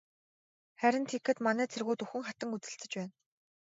Харин тэгэхэд манай цэргүүд үхэн хатан үзэлцэж байна.